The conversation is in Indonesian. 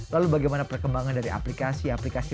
lalu bagaimana perkembangan dari aplikasi aplikasi